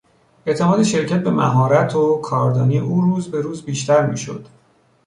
اعتماد شرکت به مهارت و کاردانی او روز به روز بیشتر میشد.